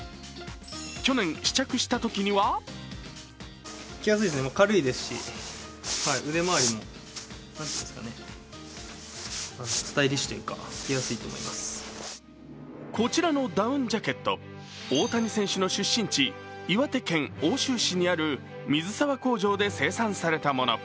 去年、試着したときにはこちらのダウンジャケット大谷選手の出身地岩手県奥州市にある水沢工場で生産されたもの。